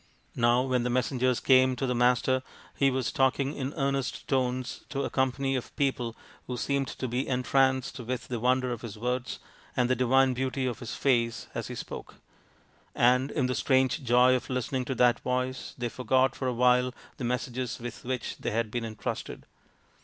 Now when the messengers came to the Master he was talking in earnest tones to a company of people who seemed to be entranced with the wonder of his words and the divine beauty of his face as he spoke ; and in the strange joy of listening to that voice they forgot for a while the messages with which they had been entrusted.